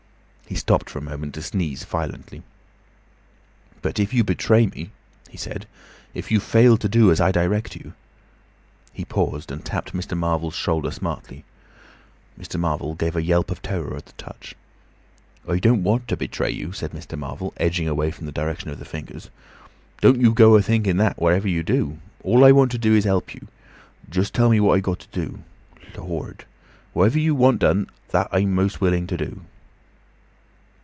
He stopped for a moment to sneeze violently. "But if you betray me," he said, "if you fail to do as I direct you—" He paused and tapped Mr. Marvel's shoulder smartly. Mr. Marvel gave a yelp of terror at the touch. "I don't want to betray you," said Mr. Marvel, edging away from the direction of the fingers. "Don't you go a thinking that, whatever you do. All I want to do is to help you—just tell me what I got to do. (Lord!) Whatever you want done, that I'm most willing to do."